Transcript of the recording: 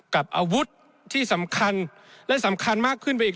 กับอาวุธที่สำคัญและสำคัญมากขึ้นไปอีก